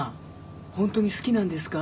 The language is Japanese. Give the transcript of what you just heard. ホントに好きなんですか？